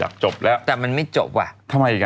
จบแล้วแต่มันไม่จบว่ะทำไมอีกอ่ะ